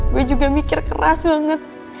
gue juga mikir keras banget